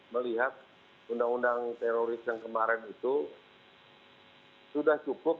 melihat undang undang teroris yang kemarin itu sudah cukup